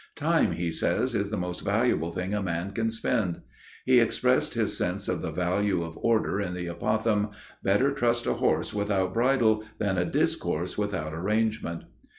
"Time," he says, "is the most valuable thing a man can spend." He expressed his sense of the value of order in the apothegm: "Better trust a horse without bridle than a discourse without arrangement."